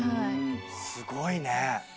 すごいね。